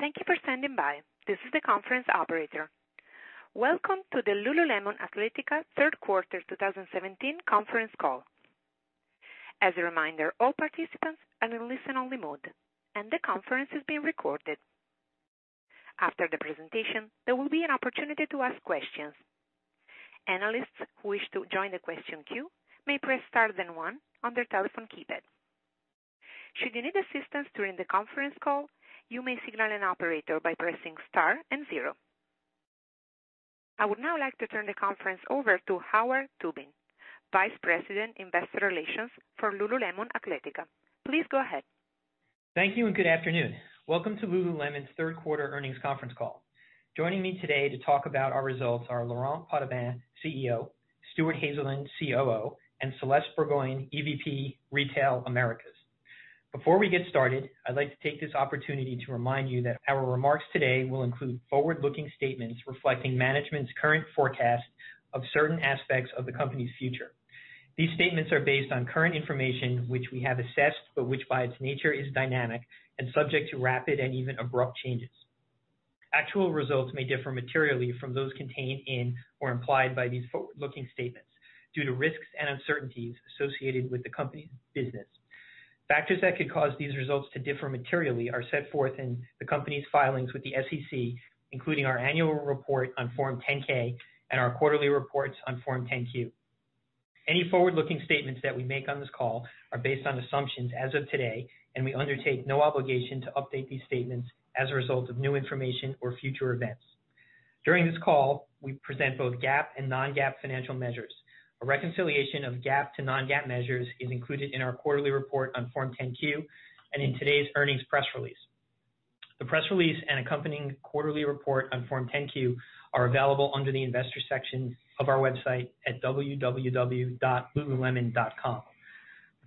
Thank you for standing by. This is the conference operator. Welcome to the Lululemon Athletica third quarter 2017 conference call. As a reminder, all participants are in listen only mode, and the conference is being recorded. After the presentation, there will be an opportunity to ask questions. Analysts who wish to join the question queue may press star then one on their telephone keypad. Should you need assistance during the conference call, you may signal an operator by pressing star and zero. I would now like to turn the conference over to Howard Tubin, Vice President, Investor Relations for Lululemon Athletica. Please go ahead. Thank you. Good afternoon. Welcome to Lululemon's third quarter earnings conference call. Joining me today to talk about our results are Laurent Potdevin, CEO, Stuart Haselden, COO, Celeste Burgoyne, EVP Retail Americas. Before we get started, I'd like to take this opportunity to remind you that our remarks today will include forward-looking statements reflecting management's current forecast of certain aspects of the company's future. These statements are based on current information, which we have assessed, but which by its nature is dynamic and subject to rapid and even abrupt changes. Actual results may differ materially from those contained in or implied by these forward-looking statements due to risks and uncertainties associated with the company's business. Factors that could cause these results to differ materially are set forth in the company's filings with the SEC, including our annual report on Form 10-K and our quarterly reports on Form 10-Q. Any forward-looking statements that we make on this call are based on assumptions as of today. We undertake no obligation to update these statements as a result of new information or future events. During this call, we present both GAAP and non-GAAP financial measures. A reconciliation of GAAP to non-GAAP measures is included in our quarterly report on Form 10-Q and in today's earnings press release. The press release and accompanying quarterly report on Form 10-Q are available under the investor section of our website at www.lululemon.com.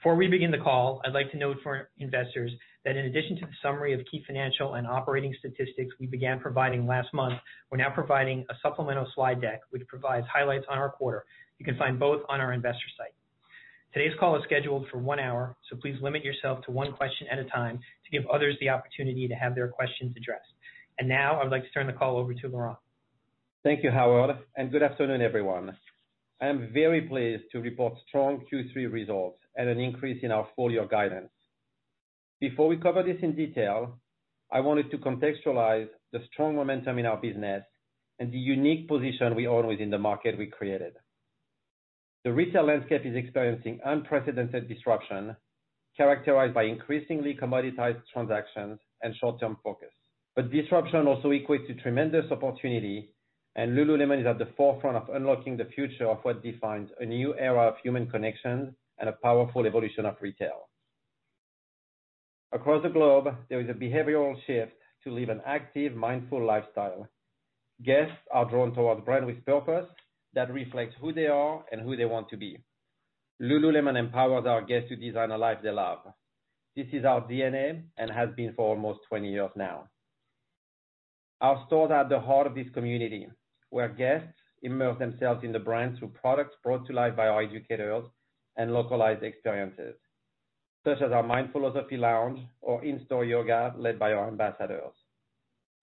Before we begin the call, I'd like to note for investors that in addition to the summary of key financial and operating statistics we began providing last month, we're now providing a supplemental slide deck, which provides highlights on our quarter. You can find both on our investor site. Today's call is scheduled for one hour. Please limit yourself to one question at a time to give others the opportunity to have their questions addressed. Now I'd like to turn the call over to Laurent. Thank you, Howard, and good afternoon, everyone. I am very pleased to report strong Q3 results and an increase in our full-year guidance. Before we cover this in detail, I wanted to contextualize the strong momentum in our business and the unique position we hold within the market we created. The retail landscape is experiencing unprecedented disruption, characterized by increasingly commoditized transactions and short-term focus. Disruption also equates to tremendous opportunity, and Lululemon is at the forefront of unlocking the future of what defines a new era of human connection and a powerful evolution of retail. Across the globe, there is a behavioral shift to live an active, mindful lifestyle. Guests are drawn towards brand with purpose that reflects who they are and who they want to be. Lululemon empowers our guests to design a life they love. This is our DNA and has been for almost 20 years now. Our stores are at the heart of this community, where guests immerse themselves in the brand through products brought to life by our educators and localized experiences, such as our Mindfulosophy lounge or in-store yoga led by our ambassadors.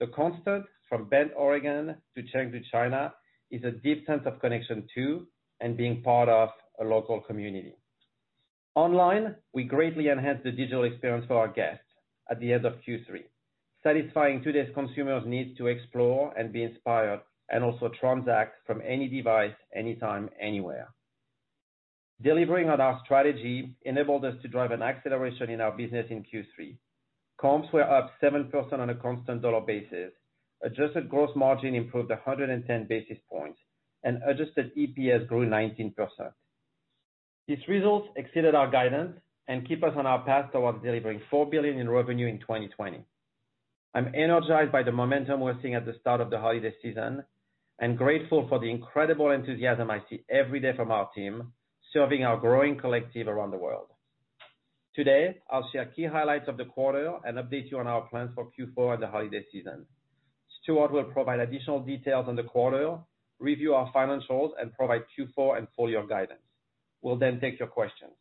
The constant from Bend, Oregon, to Chengdu, China, is a deep sense of connection to and being part of a local community. Online, we greatly enhanced the digital experience for our guests at the end of Q3, satisfying today's consumers' need to explore and be inspired and also transact from any device anytime, anywhere. Delivering on our strategy enabled us to drive an acceleration in our business in Q3. Comps were up 7% on a constant dollar basis. Adjusted gross margin improved 110 basis points, and adjusted EPS grew 19%. These results exceeded our guidance and keep us on our path towards delivering $4 billion in revenue in 2020. I'm energized by the momentum we're seeing at the start of the holiday season and grateful for the incredible enthusiasm I see every day from our team serving our growing collective around the world. Today, I'll share key highlights of the quarter and update you on our plans for Q4 and the holiday season. Stuart will provide additional details on the quarter, review our financials, and provide Q4 and full-year guidance. We'll take your questions.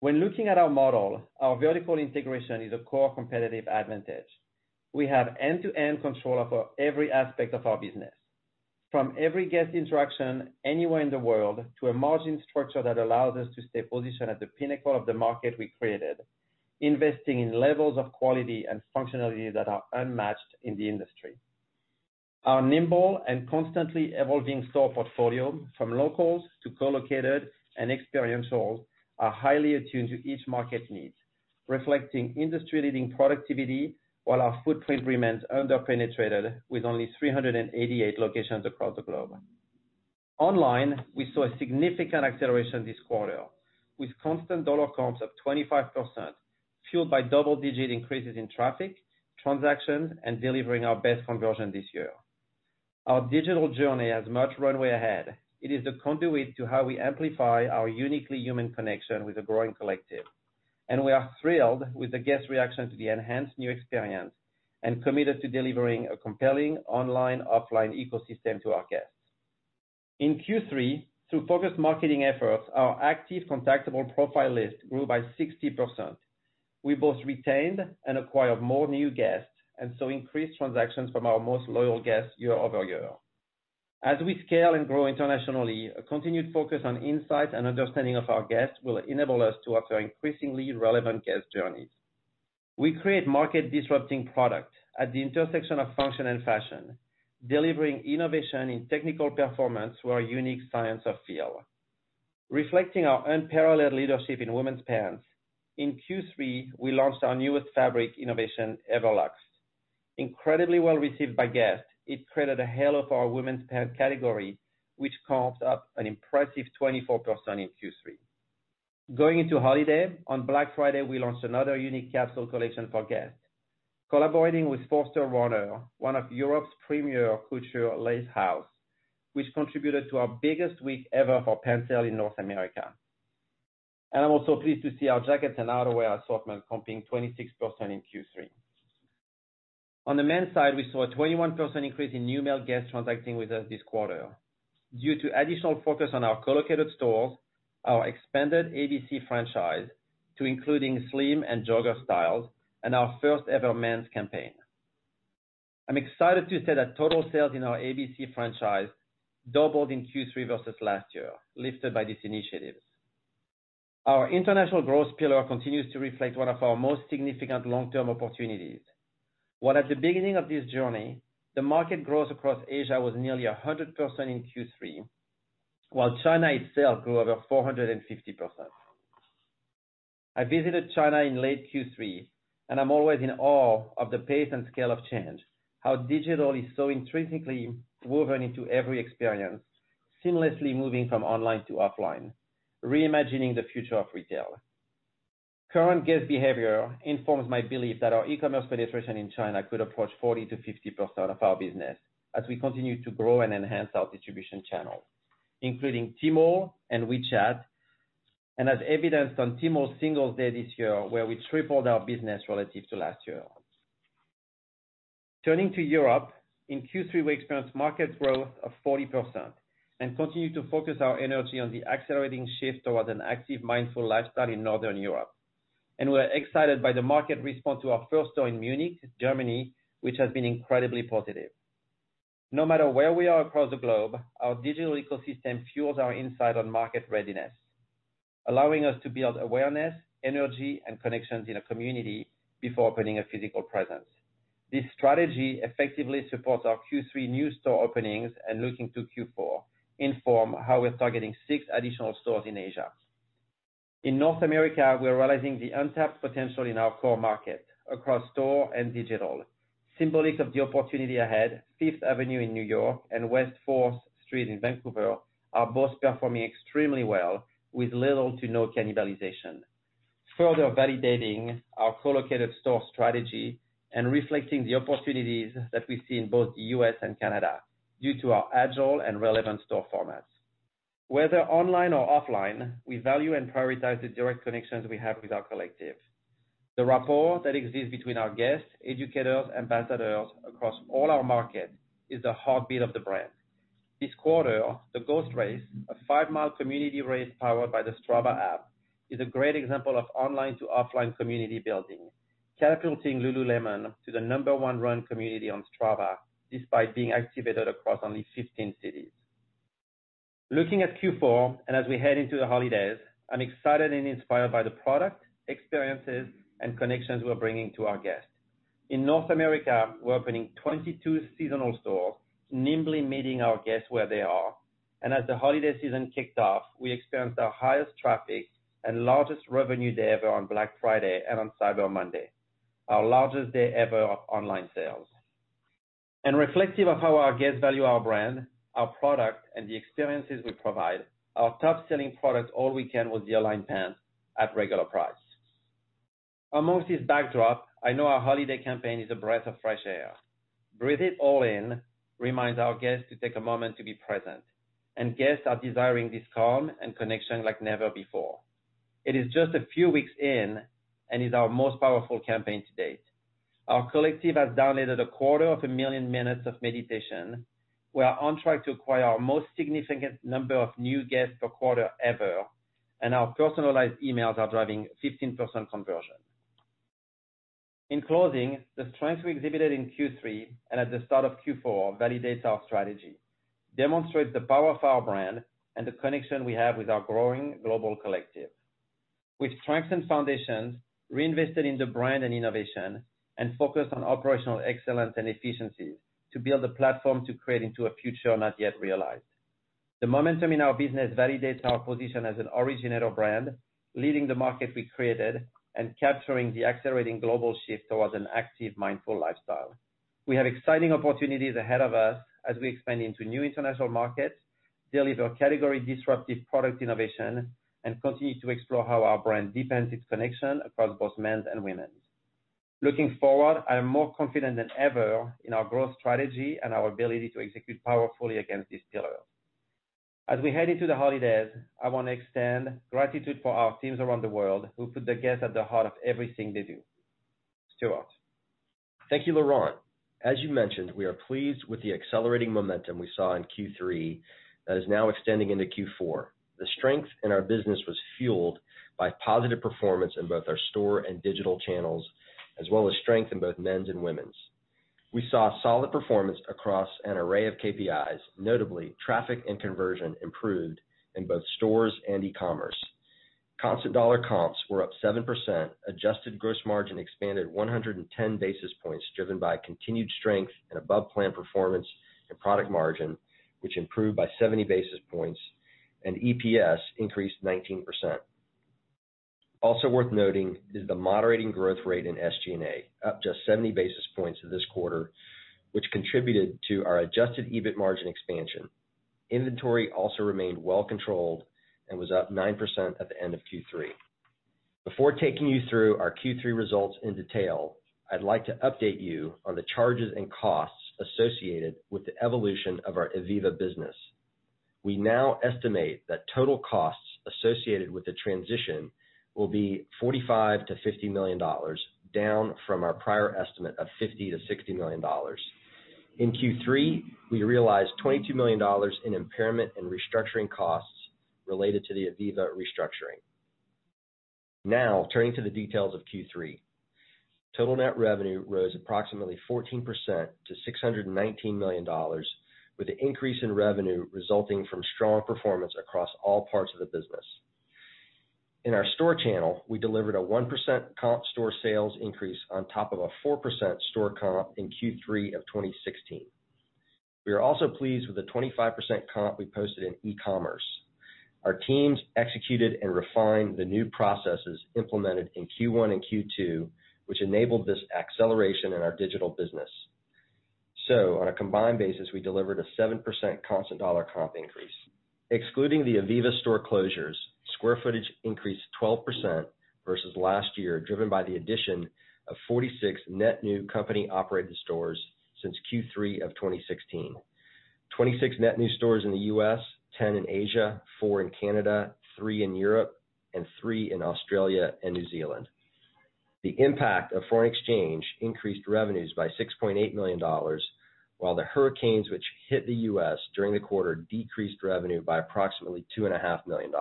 When looking at our model, our vertical integration is a core competitive advantage. We have end-to-end control over every aspect of our business, from every guest interaction anywhere in the world to a margin structure that allows us to stay positioned at the pinnacle of the market we created, investing in levels of quality and functionality that are unmatched in the industry. Our nimble and constantly evolving store portfolio, from locals to co-located and experiential, are highly attuned to each market need, reflecting industry-leading productivity while our footprint remains under-penetrated with only 388 locations across the globe. Online, we saw a significant acceleration this quarter with constant dollar comps up 25%, fueled by double-digit increases in traffic, transactions, and delivering our best conversion this year. Our digital journey has much runway ahead. It is the conduit to how we amplify our uniquely human connection with a growing collective. We are thrilled with the guest reaction to the enhanced new experience and committed to delivering a compelling online-offline ecosystem to our guests. In Q3, through focused marketing efforts, our active contactable profile list grew by 60%. We both retained and acquired more new guests, increased transactions from our most loyal guests year-over-year. As we scale and grow internationally, a continued focus on insight and understanding of our guests will enable us to offer increasingly relevant guest journeys. We create market-disrupting product at the intersection of function and fashion, delivering innovation in technical performance through our unique science of feel. Reflecting our unparalleled leadership in women's pants, in Q3, we launched our newest fabric innovation, Everlux. Incredibly well received by guests, it created a halo for our women's pant category, which comped up an impressive 24% in Q3. Going into holiday, on Black Friday, we launched another unique capsule collection for guests, collaborating with Forster Rohner, one of Europe's premier couture lace house, which contributed to our biggest week ever for pant sales in North America. I'm also pleased to see our jackets and outerwear assortment comping 26% in Q3. On the men's side, we saw a 21% increase in new male guests transacting with us this quarter due to additional focus on our co-located stores, our expanded ABC franchise to including slim and jogger styles, and our first-ever men's campaign. I'm excited to say that total sales in our ABC franchise doubled in Q3 versus last year, lifted by these initiatives. Our international growth pillar continues to reflect one of our most significant long-term opportunities. While at the beginning of this journey, the market growth across Asia was nearly 100% in Q3, while China itself grew over 450%. I visited China in late Q3. I'm always in awe of the pace and scale of change, how digital is so intrinsically woven into every experience, seamlessly moving from online to offline, reimagining the future of retail. Current guest behavior informs my belief that our e-commerce penetration in China could approach 40%-50% of our business as we continue to grow and enhance our distribution channels, including Tmall and WeChat. As evidenced on Tmall's Singles Day this year, we tripled our business relative to last year. Turning to Europe, in Q3, we experienced market growth of 40%. Continue to focus our energy on the accelerating shift towards an active, mindful lifestyle in Northern Europe. We are excited by the market response to our first store in Munich, Germany, which has been incredibly positive. No matter where we are across the globe, our digital ecosystem fuels our insight on market readiness, allowing us to build awareness, energy, and connections in a community before opening a physical presence. This strategy effectively supports our Q3 new store openings. Looking to Q4, inform how we're targeting six additional stores in Asia. In North America, we are realizing the untapped potential in our core market across store and digital. Symbolic of the opportunity ahead, Fifth Avenue in New York and West 4th Avenue in Vancouver are both performing extremely well with little to no cannibalization, further validating our co-located store strategy and reflecting the opportunities that we see in both the U.S. and Canada due to our agile and relevant store formats. Whether online or offline, we value and prioritize the direct connections we have with our collective. The rapport that exists between our guests, educators, ambassadors across all our markets is the heartbeat of the brand. This quarter, the Ghost Race, a five-mile community race powered by the Strava app, is a great example of online to offline community building, catapulting Lululemon to the number one run community on Strava, despite being activated across only 15 cities. Looking at Q4, as we head into the holidays, I'm excited and inspired by the product, experiences, and connections we're bringing to our guests. In North America, we're opening 22 seasonal stores, nimbly meeting our guests where they are. As the holiday season kicked off, we experienced our highest traffic and largest revenue day ever on Black Friday and on Cyber Monday, our largest day ever of online sales. Reflective of how our guests value our brand, our product, and the experiences we provide, our top-selling product all weekend was the Align pant at regular price. Amongst this backdrop, I know our holiday campaign is a breath of fresh air. Breathe It All In reminds our guests to take a moment to be present. Guests are desiring this calm and connection like never before. It is just a few weeks in and is our most powerful campaign to date. Our collective has downloaded a quarter of a million minutes of meditation. We are on track to acquire our most significant number of new guests per quarter ever. Our personalized emails are driving 15% conversion. In closing, the strength we exhibited in Q3 and at the start of Q4 validates our strategy, demonstrates the power of our brand, and the connection we have with our growing global collective. With strengthened foundations, reinvested in the brand and innovation, and focused on operational excellence and efficiency to build a platform to create into a future not yet realized. The momentum in our business validates our position as an originator brand, leading the market we created and capturing the accelerating global shift towards an active, mindful lifestyle. We have exciting opportunities ahead of us as we expand into new international markets, deliver category-disruptive product innovation, and continue to explore how our brand deepens its connection across both men's and women's. Looking forward, I am more confident than ever in our growth strategy and our ability to execute powerfully against these pillars. As we head into the holidays, I want to extend gratitude for our teams around the world who put the guest at the heart of everything they do. Thank you, Laurent. As you mentioned, we are pleased with the accelerating momentum we saw in Q3 that is now extending into Q4. The strength in our business was fueled by positive performance in both our store and digital channels, as well as strength in both men's and women's. We saw solid performance across an array of KPIs, notably traffic and conversion improved in both stores and e-commerce. Constant dollar comps were up 7%, adjusted gross margin expanded 110 basis points, driven by continued strength and above-plan performance in product margin, which improved by 70 basis points, and EPS increased 19%. Also worth noting is the moderating growth rate in SG&A, up just 70 basis points this quarter, which contributed to our adjusted EBIT margin expansion. Inventory also remained well controlled and was up 9% at the end of Q3. Before taking you through our Q3 results in detail, I'd like to update you on the charges and costs associated with the evolution of our Ivivva business. We now estimate that total costs associated with the transition will be $45 million-$50 million, down from our prior estimate of $50 million-$60 million. In Q3, we realized $22 million in impairment and restructuring costs related to the Ivivva restructuring. Turning to the details of Q3. Total net revenue rose approximately 14% to $619 million, with the increase in revenue resulting from strong performance across all parts of the business. In our store channel, we delivered a 1% comp store sales increase on top of a 4% store comp in Q3 of 2016. We are also pleased with the 25% comp we posted in e-commerce. Our teams executed and refined the new processes implemented in Q1 and Q2, which enabled this acceleration in our digital business. On a combined basis, we delivered a 7% constant dollar comp increase. Excluding the Ivivva store closures, square footage increased 12% versus last year, driven by the addition of 46 net new company-operated stores since Q3 of 2016. Twenty-six net new stores in the U.S., 10 in Asia, four in Canada, three in Europe, and three in Australia and New Zealand. The impact of foreign exchange increased revenues by $6.8 million, while the hurricanes which hit the U.S. during the quarter decreased revenue by approximately $2.5 million.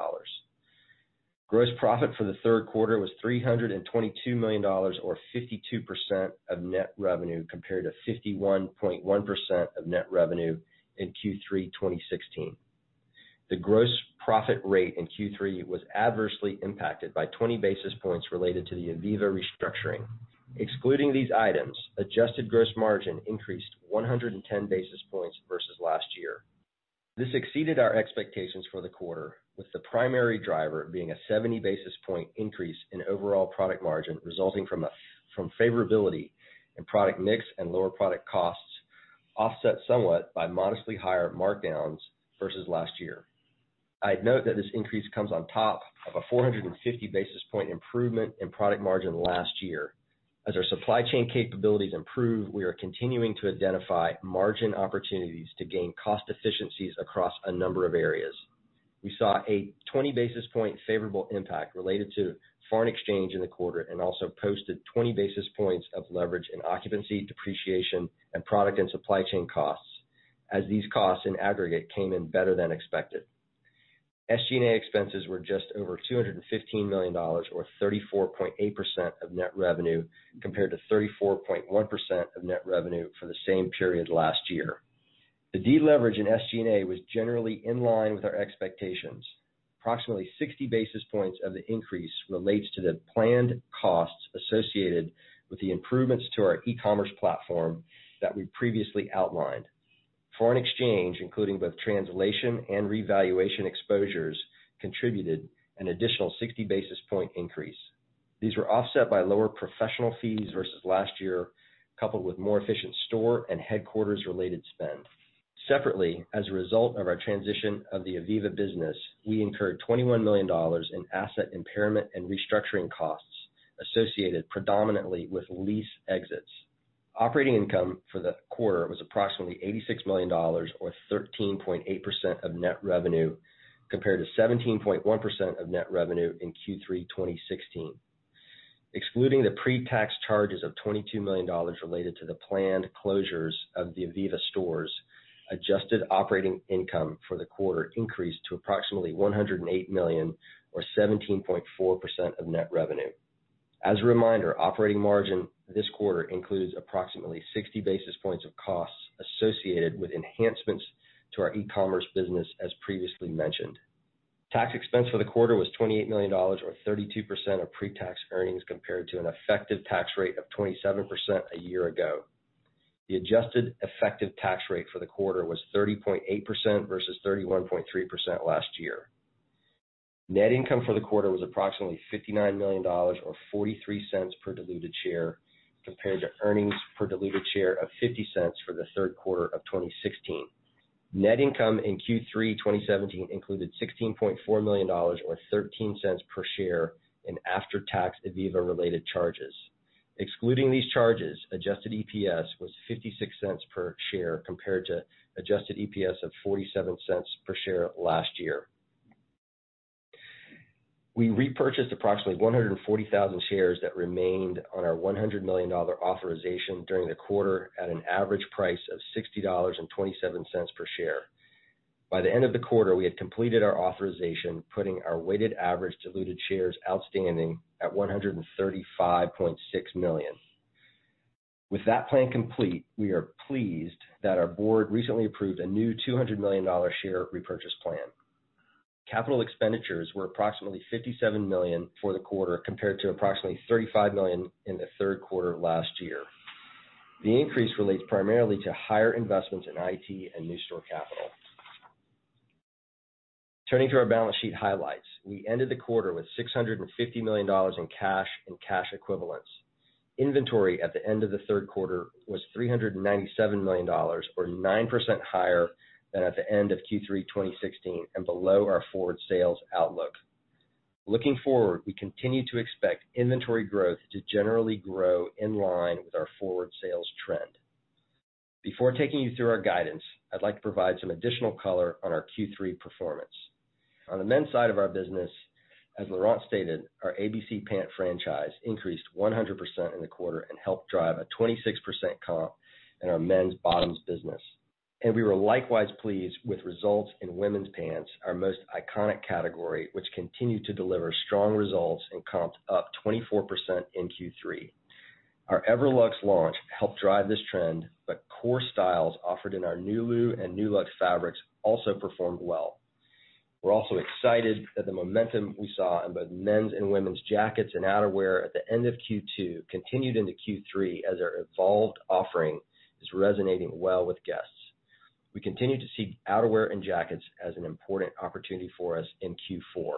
Gross profit for the third quarter was $322 million, or 52% of net revenue, compared to 51.1% of net revenue in Q3 2016. The gross profit rate in Q3 was adversely impacted by 20 basis points related to the Ivivva restructuring. Excluding these items, adjusted gross margin increased 110 basis points versus last year. This exceeded our expectations for the quarter, with the primary driver being a 70 basis point increase in overall product margin resulting from favorability in product mix and lower product costs, offset somewhat by modestly higher markdowns versus last year. I'd note that this increase comes on top of a 450 basis point improvement in product margin last year. As our supply chain capabilities improve, we are continuing to identify margin opportunities to gain cost efficiencies across a number of areas. We saw a 20 basis point favorable impact related to foreign exchange in the quarter and also posted 20 basis points of leverage in occupancy, depreciation, and product and supply chain costs as these costs in aggregate came in better than expected. SG&A expenses were just over $215 million, or 34.8% of net revenue, compared to 34.1% of net revenue for the same period last year. The deleverage in SG&A was generally in line with our expectations. Approximately 60 basis points of the increase relates to the planned costs associated with the improvements to our e-commerce platform that we previously outlined. Foreign exchange, including both translation and revaluation exposures, contributed an additional 60 basis point increase. These were offset by lower professional fees versus last year, coupled with more efficient store and headquarters related spend. Separately, as a result of our transition of the Ivivva business, we incurred $21 million in asset impairment and restructuring costs associated predominantly with lease exits. Operating income for the quarter was approximately $86 million, or 13.8% of net revenue, compared to 17.1% of net revenue in Q3 2016. Excluding the pre-tax charges of $22 million related to the planned closures of the Ivivva stores, adjusted operating income for the quarter increased to approximately $108 million, or 17.4% of net revenue. As a reminder, operating margin this quarter includes approximately 60 basis points of costs associated with enhancements to our e-commerce business, as previously mentioned. Tax expense for the quarter was $28 million, or 32% of pre-tax earnings, compared to an effective tax rate of 27% a year ago. The adjusted effective tax rate for the quarter was 30.8% versus 31.3% last year. Net income for the quarter was approximately $59 million, or $0.43 per diluted share, compared to earnings per diluted share of $0.50 for the third quarter of 2016. Net income in Q3 2017 included $16.4 million, or $0.13 per share in after-tax Ivivva related charges. Excluding these charges, adjusted EPS was $0.56 per share compared to adjusted EPS of $0.47 per share last year. We repurchased approximately 140,000 shares that remained on our $100 million authorization during the quarter at an average price of $60.27 per share. By the end of the quarter, we had completed our authorization, putting our weighted average diluted shares outstanding at 135.6 million. With that plan complete, we are pleased that our board recently approved a new $200 million share repurchase plan. Capital expenditures were approximately $57 million for the quarter, compared to approximately $35 million in the third quarter of last year. The increase relates primarily to higher investments in IT and new store capital. Turning to our balance sheet highlights, we ended the quarter with $650 million in cash and cash equivalents. Inventory at the end of the third quarter was $397 million, or 9% higher than at the end of Q3 2016, and below our forward sales outlook. Looking forward, we continue to expect inventory growth to generally grow in line with our forward sales trend. Before taking you through our guidance, I'd like to provide some additional color on our Q3 performance. On the men's side of our business, as Laurent stated, our ABC pant franchise increased 100% in the quarter and helped drive a 26% comp in our men's bottoms business. We were likewise pleased with results in women's pants, our most iconic category, which continued to deliver strong results and comped up 24% in Q3. Our Everlux launch helped drive this trend, but core styles offered in our Nulu and Nulux fabrics also performed well. We're also excited that the momentum we saw in both men's and women's jackets and outerwear at the end of Q2 continued into Q3 as our evolved offering is resonating well with guests. We continue to see outerwear and jackets as an important opportunity for us in Q4.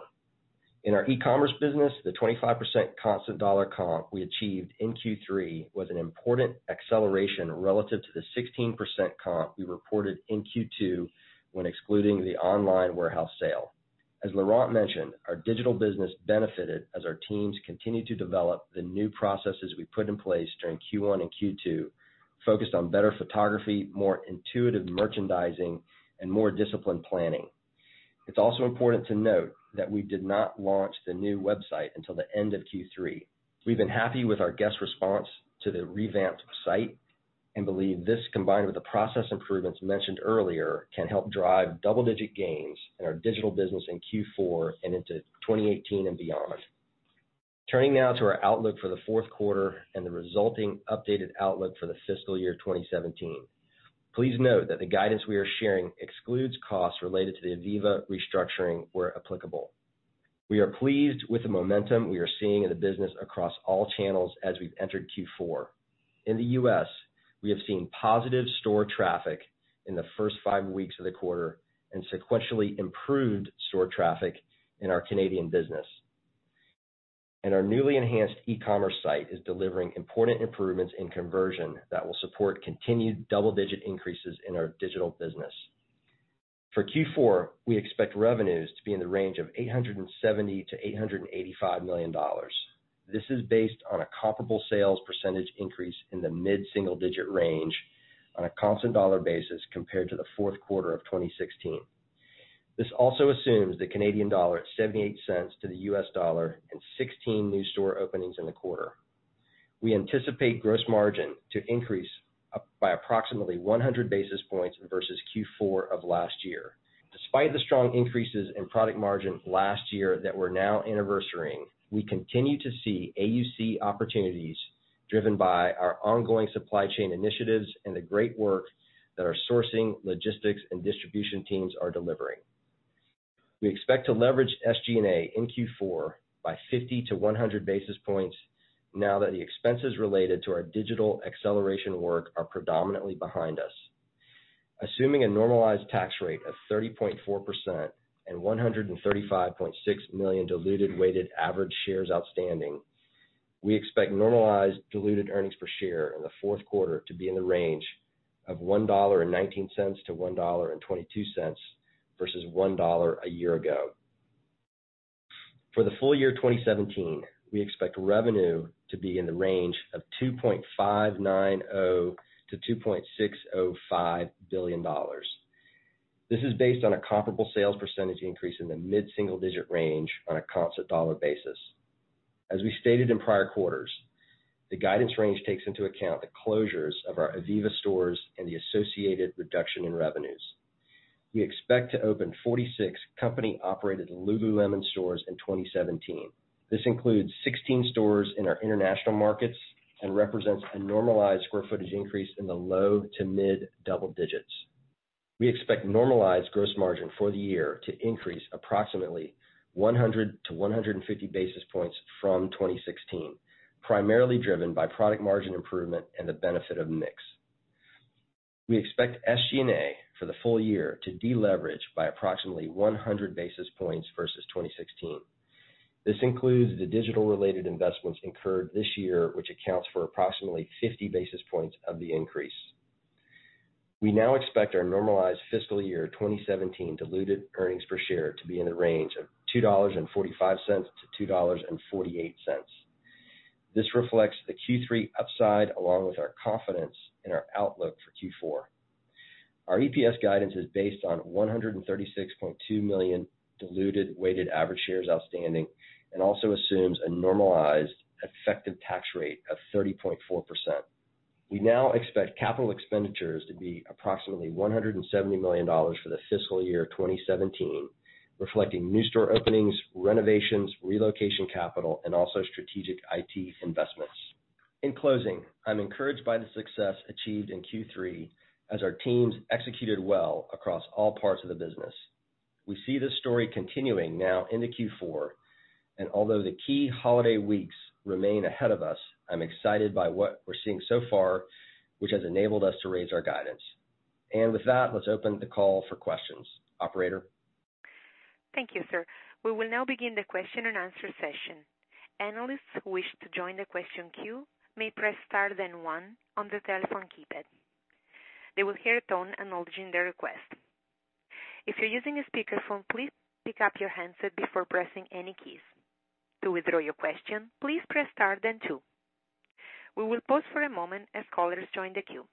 In our e-commerce business, the 25% constant dollar comp we achieved in Q3 was an important acceleration relative to the 16% comp we reported in Q2 when excluding the online warehouse sale. As Laurent mentioned, our digital business benefited as our teams continued to develop the new processes we put in place during Q1 and Q2, focused on better photography, more intuitive merchandising, and more disciplined planning. It's also important to note that we did not launch the new website until the end of Q3. We've been happy with our guest response to the revamped site and believe this, combined with the process improvements mentioned earlier, can help drive double-digit gains in our digital business in Q4 and into 2018 and beyond. Turning now to our outlook for the fourth quarter and the resulting updated outlook for the fiscal year 2017. Please note that the guidance we are sharing excludes costs related to the Ivivva restructuring where applicable. We are pleased with the momentum we are seeing in the business across all channels as we've entered Q4. In the U.S., we have seen positive store traffic in the first five weeks of the quarter and sequentially improved store traffic in our Canadian business. Our newly enhanced e-commerce site is delivering important improvements in conversion that will support continued double-digit increases in our digital business. For Q4, we expect revenues to be in the range of $870 million to $885 million. This is based on a comparable sales percentage increase in the mid-single digit range on a constant dollar basis compared to the fourth quarter of 2016. This also assumes the Canadian dollar at $0.78 to the U.S. dollar and 16 new store openings in the quarter. We anticipate gross margin to increase by approximately 100 basis points versus Q4 of last year. Despite the strong increases in product margin last year that we're now anniversarying, we continue to see AUC opportunities driven by our ongoing supply chain initiatives and the great work that our sourcing, logistics, and distribution teams are delivering. We expect to leverage SG&A in Q4 by 50 to 100 basis points now that the expenses related to our digital acceleration work are predominantly behind us. Assuming a normalized tax rate of 30.4% and 135.6 million diluted weighted average shares outstanding, we expect normalized diluted earnings per share in the fourth quarter to be in the range of $1.19 to $1.22 versus $1 a year ago. For the full year 2017, we expect revenue to be in the range of $2.590 billion to $2.605 billion. This is based on a comparable sales percentage increase in the mid-single digit range on a constant dollar basis. As we stated in prior quarters, the guidance range takes into account the closures of our Ivivva stores and the associated reduction in revenues. We expect to open 46 company-operated Lululemon stores in 2017. This includes 16 stores in our international markets and represents a normalized square footage increase in the low to mid double digits. We expect normalized gross margin for the year to increase approximately 100 to 150 basis points from 2016, primarily driven by product margin improvement and the benefit of mix. We expect SG&A for the full year to deleverage by approximately 100 basis points versus 2016. This includes the digital-related investments incurred this year, which accounts for approximately 50 basis points of the increase. We now expect our normalized fiscal year 2017 diluted earnings per share to be in the range of $2.45-$2.48. This reflects the Q3 upside, along with our confidence in our outlook for Q4. Our EPS guidance is based on 136.2 million diluted weighted average shares outstanding and also assumes a normalized effective tax rate of 30.4%. We now expect capital expenditures to be approximately $170 million for the fiscal year 2017, reflecting new store openings, renovations, relocation capital, and also strategic IT investments. In closing, I'm encouraged by the success achieved in Q3 as our teams executed well across all parts of the business. We see this story continuing now into Q4, and although the key holiday weeks remain ahead of us, I'm excited by what we're seeing so far, which has enabled us to raise our guidance. With that, let's open the call for questions. Operator? Thank you, sir. We will now begin the question and answer session. Analysts who wish to join the question queue may press star then one on their telephone keypad. They will hear a tone acknowledging their request. If you're using a speakerphone, please pick up your handset before pressing any keys. To withdraw your question, please press star then two. We will pause for a moment as callers join the queue.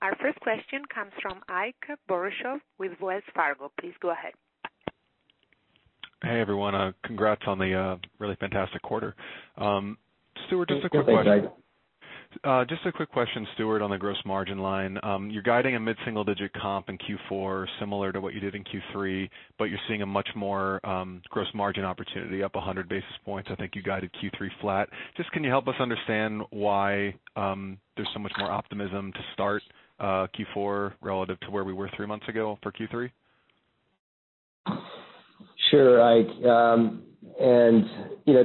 Our first question comes from Ike Boruchow with Wells Fargo. Please go ahead. Hey, everyone. Congrats on the really fantastic quarter. Stuart, just a quick question. Thanks, Ike. Just a quick question, Stuart, on the gross margin line. You're guiding a mid-single-digit comp in Q4, similar to what you did in Q3, you're seeing a much more gross margin opportunity, up 100 basis points. I think you guided Q3 flat. Can you help us understand why there's so much more optimism to start Q4 relative to where we were three months ago for Q3? Sure, Ike.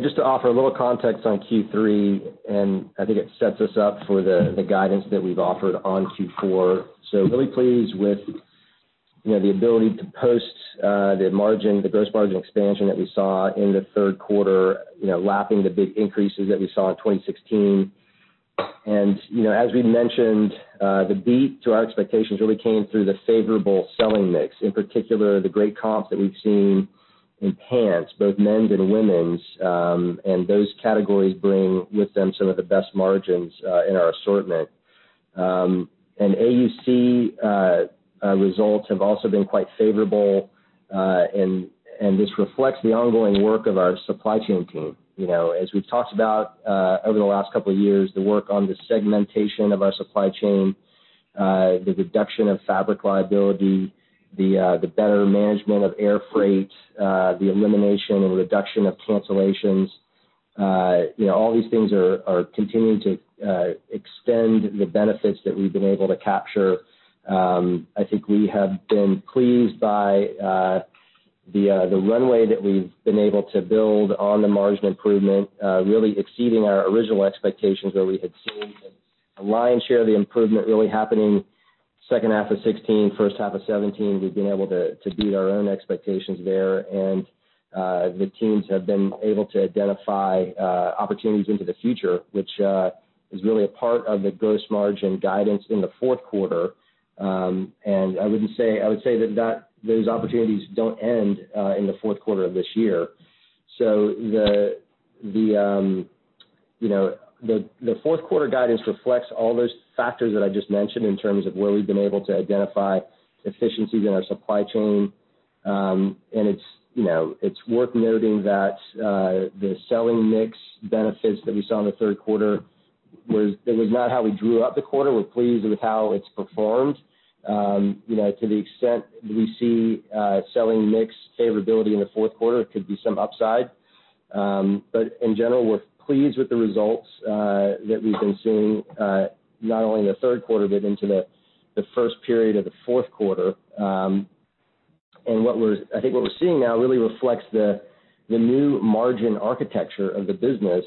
Just to offer a little context on Q3, I think it sets us up for the guidance that we've offered on Q4. Really pleased with the ability to post the gross margin expansion that we saw in the third quarter, lapping the big increases that we saw in 2016. As we mentioned, the beat to our expectations really came through the favorable selling mix, in particular, the great comps that we've seen in pants, both men's and women's. Those categories bring with them some of the best margins in our assortment. AUC results have also been quite favorable, this reflects the ongoing work of our supply chain team. As we've talked about over the last couple of years, the work on the segmentation of our supply chain, the reduction of fabric liability, the better management of air freight, the elimination and reduction of cancellations, all these things are continuing to extend the benefits that we've been able to capture. I think we have been pleased by the runway that we've been able to build on the margin improvement, really exceeding our original expectations where we had seen the lion's share of the improvement really happening second half of 2016, first half of 2017. We've been able to beat our own expectations there. The teams have been able to identify opportunities into the future, which is really a part of the gross margin guidance in the fourth quarter. I would say that those opportunities don't end in the fourth quarter of this year. The fourth quarter guidance reflects all those factors that I just mentioned in terms of where we've been able to identify efficiencies in our supply chain. It's worth noting that the selling mix benefits that we saw in the third quarter, that was not how we drew up the quarter. We're pleased with how it's performed. To the extent that we see selling mix favorability in the fourth quarter, it could be some upside. In general, we're pleased with the results that we've been seeing, not only in the third quarter, but into the first period of the fourth quarter. I think what we're seeing now really reflects the new margin architecture of the business.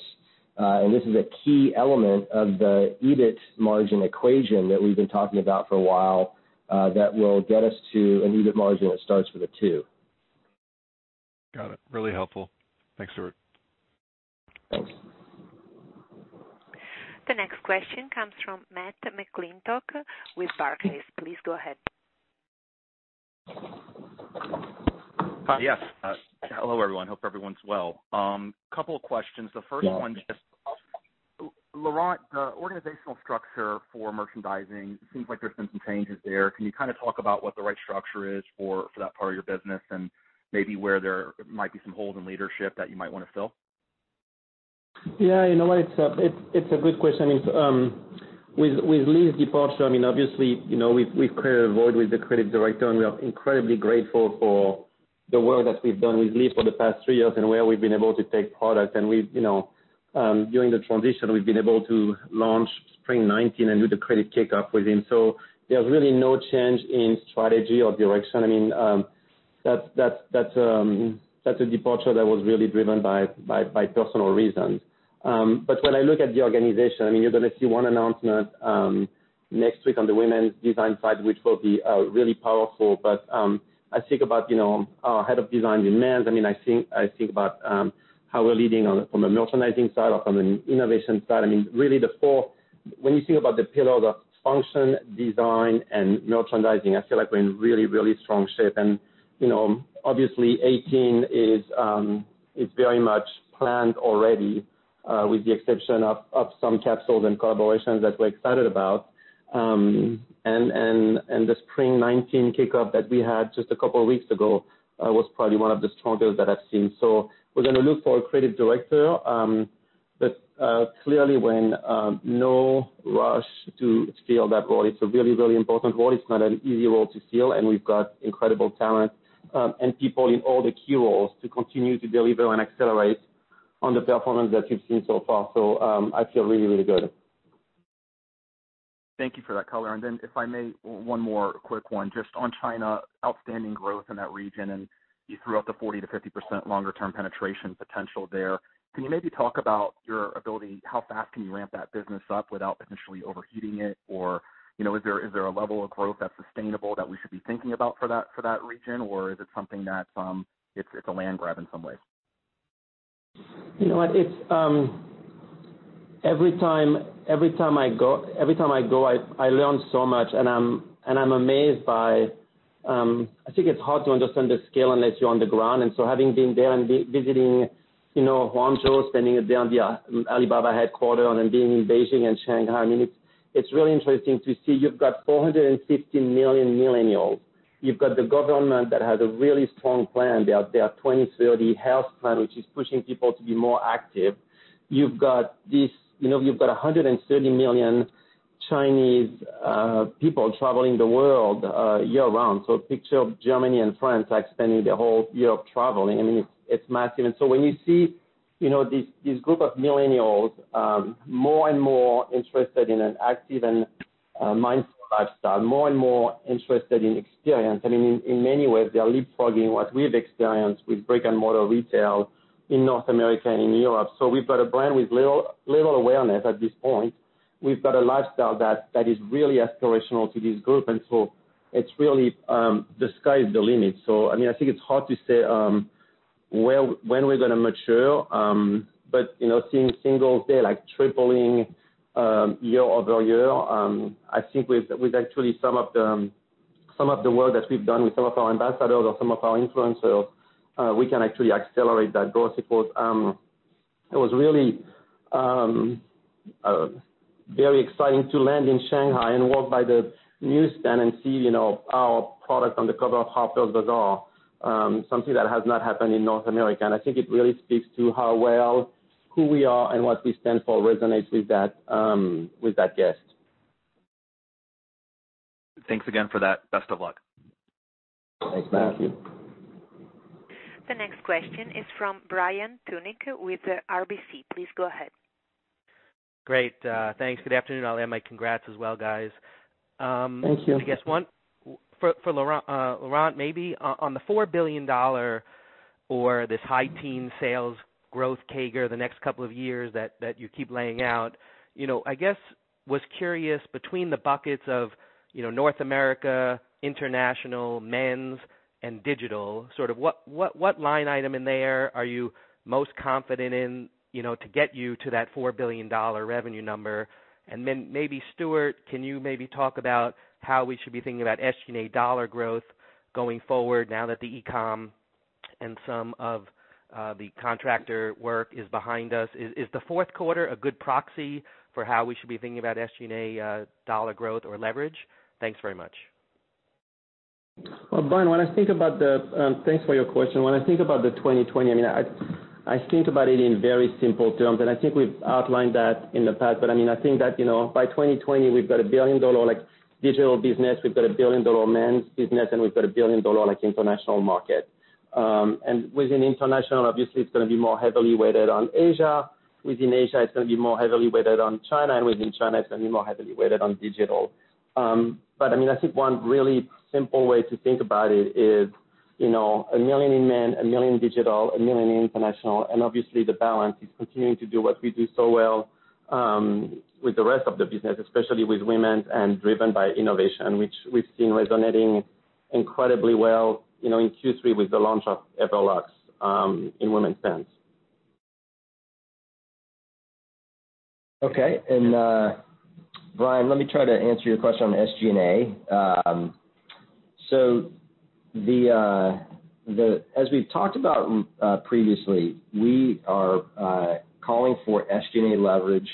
This is a key element of the EBIT margin equation that we've been talking about for a while that will get us to an EBIT margin that starts with a two. Got it. Really helpful. Thanks, Stuart. Thanks. The next question comes from Matt McClintock with Barclays. Please go ahead. Hi, yes. Hello, everyone. Hope everyone's well. Couple of questions. The first one. Yeah Laurent, the organizational structure for merchandising, it seems like there's been some changes there. Can you talk about what the right structure is for that part of your business and maybe where there might be some holes in leadership that you might want to fill? You know what? It's a good question. With Lee's departure, obviously, we've created a void with the creative director, and we are incredibly grateful for the work that we've done with Lee for the past three years and where we've been able to take product. During the transition, we've been able to launch spring 2019 and do the creative kickoff with him. There's really no change in strategy or direction. That's a departure that was really driven by personal reasons. When I look at the organization, you're going to see one announcement next week on the women's design side, which will be really powerful. I think about our head of design in men's. I think about how we're leading from a merchandising side or from an innovation side. When you think about the pillar, the function, design, and merchandising, I feel like we're in really, really strong shape. Obviously 2018 is very much planned already, with the exception of some capsules and collaborations that we're excited about. The spring 2019 kickoff that we had just a couple of weeks ago, was probably one of the strongest that I've seen. We're going to look for a creative director. Clearly we're in no rush to scale that role. It's a really, really important role. It's not an easy role to fill, and we've got incredible talent, and people in all the key roles to continue to deliver and accelerate on the performance that you've seen so far. I feel really, really good. Thank you for that color. If I may, one more quick one, just on China. Outstanding growth in that region, and you threw out the 40%-50% longer term penetration potential there. Can you maybe talk about your ability, how fast can you ramp that business up without potentially overheating it? Is there a level of growth that's sustainable that we should be thinking about for that region, or is it something that, it's a land grab in some ways? Having been there and visiting Guangzhou, spending a day on the Alibaba headquarters and then being in Beijing and Shanghai, I mean, it's really interesting to see. You've got 450 million millennials. You've got the government that has a really strong plan, their 2030 health plan, which is pushing people to be more active. You've got 130 million Chinese people traveling the world year-round. A picture of Germany and France, like, spending their whole year traveling. I mean, it's massive. When you see this group of millennials, more and more interested in an active and mindful lifestyle. More and more interested in experience. In many ways, they are leapfrogging what we've experienced with brick-and-mortar retail in North America and in Europe. We've got a brand with little awareness at this point. We've got a lifestyle that is really aspirational to this group. The sky is the limit. I think it's hard to say when we're going to mature. But seeing Singles Day tripling year-over-year, I think with actually some of the work that we've done with some of our ambassadors or some of our influencers, we can actually accelerate that growth. It was really very exciting to land in Shanghai and walk by the newsstand and see our product on the cover of Harper's Bazaar. Something that has not happened in North America. I think it really speaks to how well who we are and what we stand for resonates with that guest. Thanks again for that. Best of luck. Thanks, Matthew. The next question is from Brian Tunick with RBC. Please go ahead. Great, thanks. Good afternoon. I'll add my congrats as well, guys. Thank you. I guess one for Laurent, maybe on the $4 billion or this high teen sales growth CAGR the next couple of years that you keep laying out. I guess, was curious between the buckets of North America, international, men's and digital, sort of what line item in there are you most confident in to get you to that $4 billion revenue number? Then maybe Stuart, can you maybe talk about how we should be thinking about SG&A dollar growth going forward now that the e-com and some of the contractor work is behind us? Is the fourth quarter a good proxy for how we should be thinking about SG&A dollar growth or leverage? Thanks very much. Well, Brian, thanks for your question. When I think about the 2020, I think about it in very simple terms, I think we've outlined that in the past. I think that by 2020, we've got a billion-dollar digital business, we've got a billion-dollar men's business, and we've got a billion-dollar international market. Within international, obviously, it's going to be more heavily weighted on Asia. Within Asia, it's going to be more heavily weighted on China. Within China, it's going to be more heavily weighted on digital. I think one really simple way to think about it is a million in men, a million digital, a million in international, and obviously the balance is continuing to do what we do so well, with the rest of the business. Especially with women's and driven by innovation, which we've seen resonating incredibly well in Q3 with the launch of Everlux in women's pants. Okay. Brian, let me try to answer your question on SG&A. As we've talked about previously, we are calling for SG&A leverage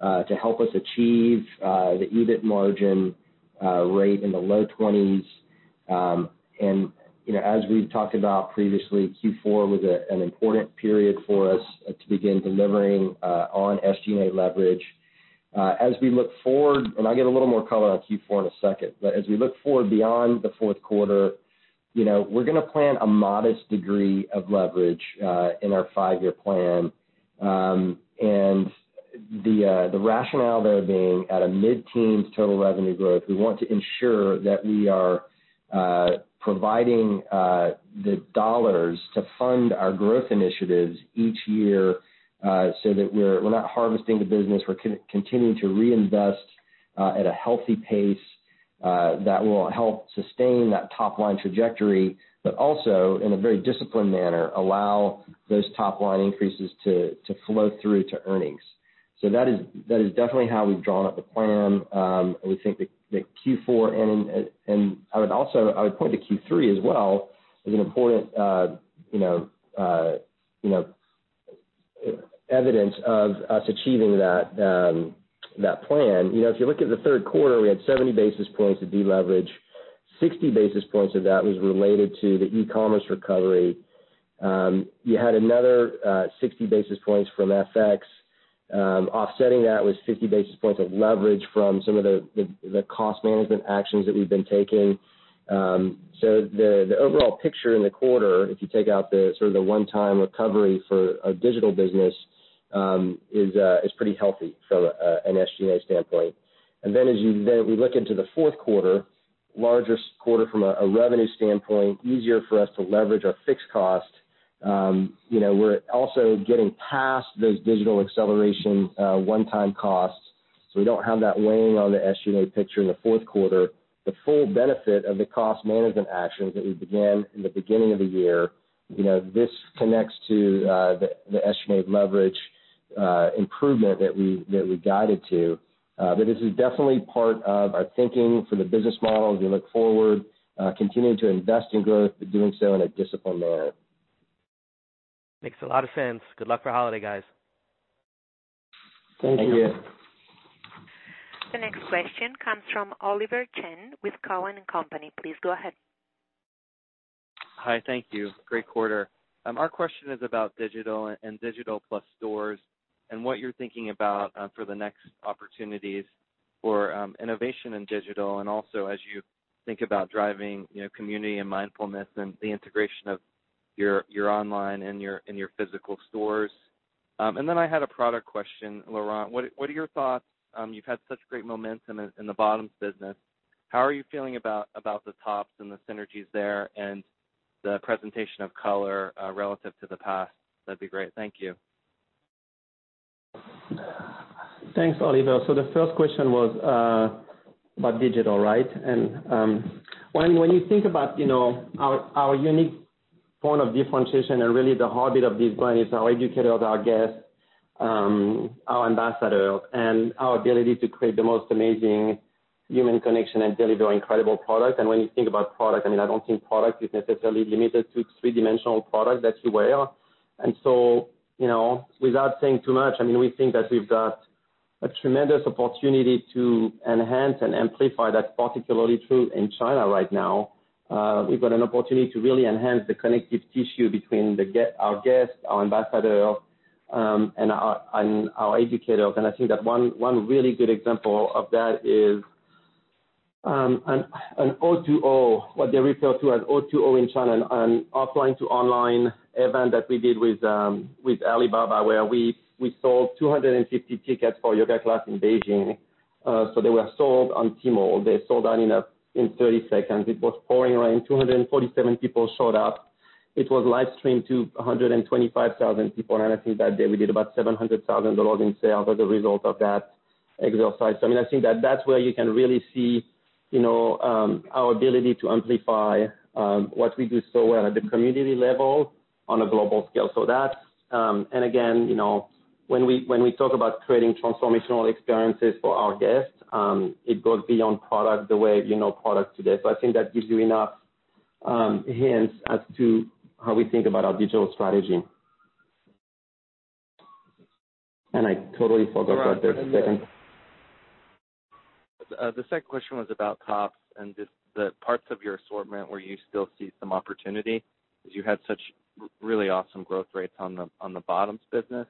to help us achieve the EBIT margin rate in the low 20s. As we've talked about previously, Q4 was an important period for us to begin delivering on SG&A leverage. As we look forward beyond the fourth quarter, we're going to plan a modest degree of leverage in our five-year plan. The rationale there being at a mid-teens total revenue growth, we want to ensure that we are providing the dollars to fund our growth initiatives each year, so that we're not harvesting the business. We're continuing to reinvest at a healthy pace that will help sustain that top-line trajectory, but also in a very disciplined manner, allow those top-line increases to flow through to earnings. That is definitely how we've drawn up the plan. I would think that Q4, I would point to Q3 as well, as an important evidence of us achieving that plan. If you look at the third quarter, we had 70 basis points of deleverage, 60 basis points of that was related to the e-commerce recovery. You had another 60 basis points from FX. Offsetting that was 50 basis points of leverage from some of the cost management actions that we've been taking. The overall picture in the quarter, if you take out the one-time recovery for our digital business, is pretty healthy from an SG&A standpoint. As we look into the fourth quarter, larger quarter from a revenue standpoint, easier for us to leverage our fixed cost. We're also getting past those digital acceleration, one-time costs, so we don't have that weighing on the SG&A picture in the fourth quarter. The full benefit of the cost management actions that we began in the beginning of the year, this connects to the SG&A leverage improvement that we guided to. This is definitely part of our thinking for the business model as we look forward, continuing to invest in growth, but doing so in a disciplined manner. Makes a lot of sense. Good luck for holiday, guys. Thank you. Thank you. The next question comes from Oliver Chen with Cowen and Company. Please go ahead. Hi, thank you. Great quarter. Our question is about digital and digital plus stores and what you're thinking about for the next opportunities for innovation in digital, and also as you think about driving community and mindfulness and the integration of your online and your physical stores. I had a product question. Laurent, what are your thoughts? You've had such great momentum in the bottoms business. How are you feeling about the tops and the synergies there and the presentation of color relative to the past? That would be great. Thank you. Thanks, Oliver. The first question was about digital, right? When you think about our unique point of differentiation and really the heartbeat of this brand is our educators, our guests, our ambassadors, and our ability to create the most amazing human connection and deliver incredible product. When you think about product, I don't think product is necessarily limited to three-dimensional product that you wear. Without saying too much, we think that we've got a tremendous opportunity to enhance and amplify. That is particularly true in China right now. We've got an opportunity to really enhance the connective tissue between our guests, our ambassadors, and our educators. I think that one really good example of that is an O2O, what they refer to as O2O in China, an offline-to-online event that we did with Alibaba, where we sold 250 tickets for yoga class in Beijing. They were sold on Tmall. They sold out in 30 seconds. It was pouring rain, 247 people showed up. It was live-streamed to 125,000 people, and I think that day we did about $700,000 in sales as a result of that exercise. I think that that is where you can really see our ability to amplify what we do so well at the community level on a global scale. Again, when we talk about creating transformational experiences for our guests, it goes beyond product the way you know product today. I think that gives you enough hints as to how we think about our digital strategy. The second question was about tops and just the parts of your assortment where you still see some opportunity, because you had such really awesome growth rates on the bottoms business.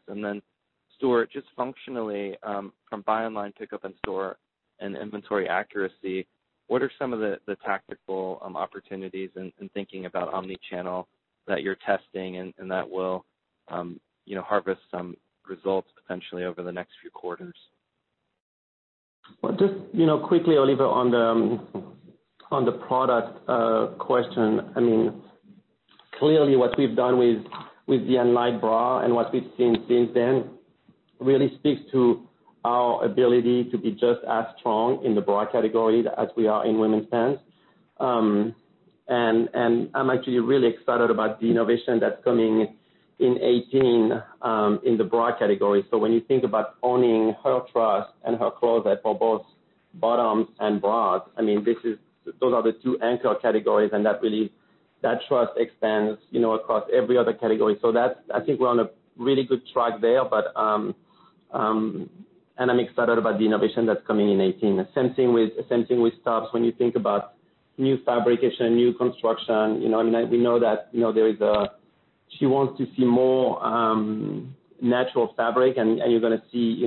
Stuart, just functionally, from buy online, pickup in store and inventory accuracy, what are some of the tactical opportunities in thinking about omnichannel that you're testing and that will harvest some results potentially over the next few quarters? Well, just quickly, Oliver, on the product question. Clearly what we've done with the Align bra and what we've seen since then really speaks to our ability to be just as strong in the bra category as we are in women's pants. I'm actually really excited about the innovation that's coming in 2018 in the bra category. When you think about owning her trust and her closet for both bottoms and bras, those are the two anchor categories. That trust expands across every other category. I think we're on a really good track there. I'm excited about the innovation that's coming in 2018. Same thing with tops. When you think about new fabrication, new construction, we know that she wants to see more natural fabric, and you're going to see